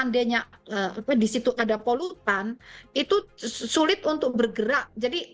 di situ ada polutan itu sulit untuk bergerak